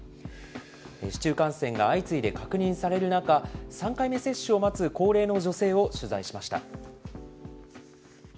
市中感染が相次いで確認される中、３回目接種を待つ高齢の女性を取材しました。